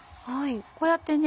こうやってね